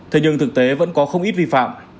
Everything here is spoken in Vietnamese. thế nhưng thực tế vẫn có không ít vi phạm